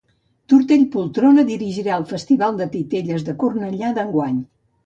Tortell Poltrona dirigirà el Festival de Titelles de Cornellà d'enguany.